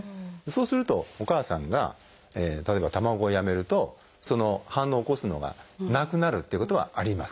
そうするとお母さんが例えば卵をやめるとその反応を起こすのがなくなるっていうことはあります。